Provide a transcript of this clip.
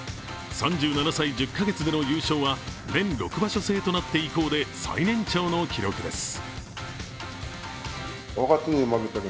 ３７歳１０か月での優勝は年６場所制となって以降で最年長の記録です。